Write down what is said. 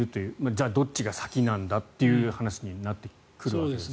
じゃあ、どっちが先なんだという話になってくるわけです。